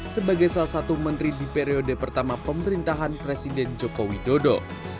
sebagai salah satu menteri di periode pertama pemerintahan presiden joko widodo